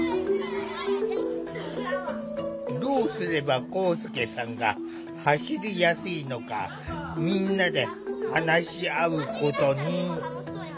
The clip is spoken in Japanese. どうすれば光祐さんが走りやすいのかみんなで話し合うことに。